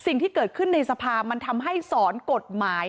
สิ่งที่เกิดขึ้นในสภามันทำให้สอนกฎหมาย